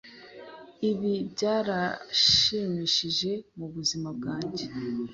Ibi byarashimishije mubuzima bwange